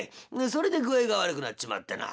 それで具合が悪くなっちまってな」。